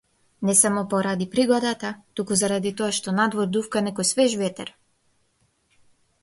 Не само поради пригодата, туку заради тоа што надвор дувка некој свеж ветер.